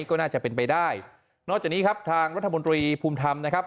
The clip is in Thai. ก็น่าจะเป็นไปได้นอกจากนี้ครับทางรัฐมนตรีภูมิธรรมนะครับ